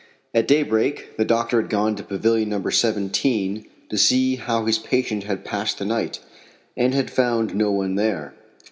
At daybreak the doctor had gone to Pavilion No. 17 to see how his patient had passed the night, and had found no one there.